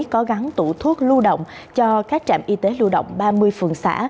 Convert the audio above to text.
có gắn tủ thuốc lưu động cho các trạm y tế lưu động ba mươi phường xã